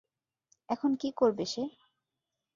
এখন কী করবে সে?